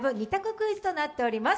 クイズとなっています。